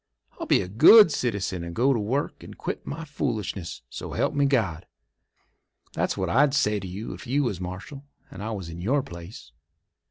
I'll be a good citizen and go to work and quit my foolishness. So help me God!' That's what I'd say to you if you was marshal and I was in your place."